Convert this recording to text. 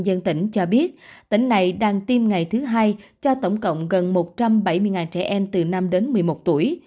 dân tỉnh cho biết tỉnh này đang tiêm ngày thứ hai cho tổng cộng gần một trăm bảy mươi trẻ em từ năm đến một mươi một tuổi